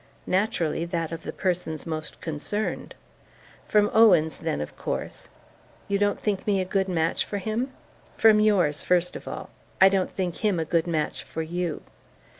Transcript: "Naturally, that of the persons most concerned." "From Owen's, then, of course? You don't think me a good match for him?" "From yours, first of all. I don't think him a good match for you."